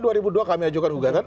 dua ribu dua kami ajukan gugatan